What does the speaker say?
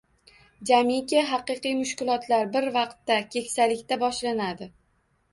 Jamiki haqiqiy mushkulotlar bir vaqtda – keksalikda boshlanadi.